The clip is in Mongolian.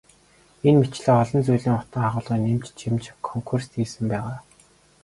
Энэ мэтчилэн олон зүйлийн утга агуулгыг нэмэн чимж консрукт хийсэн байгаа.